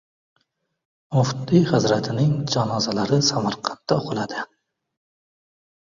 Muftiy hazratning janozalari Samarqandda o‘qiladi